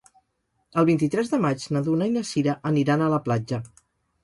El vint-i-tres de maig na Duna i na Sira aniran a la platja.